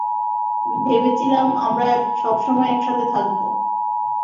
ভেবেছিলাম আমরা সবসময় একসাথে থাকব।